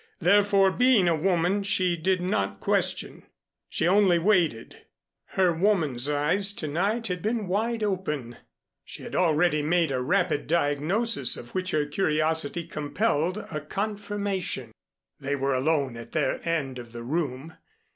Therefore, being a woman, she did not question. She only waited. Her woman's eyes to night had been wide open, and she had already made a rapid diagnosis of which her curiosity compelled a confirmation. They were alone at their end of the room.